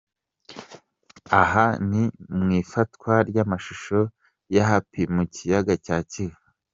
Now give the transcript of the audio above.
Aha ni mu ifatwa ry'amashusho ya 'Happy' mu kiyaga cya Kivu.